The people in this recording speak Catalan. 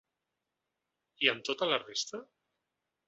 I amb tota la resta?